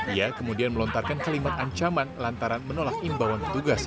ia kemudian melontarkan kalimat ancaman lantaran menolak imbauan petugas